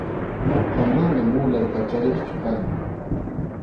Ñuqa mana mulay kachariqchu kani.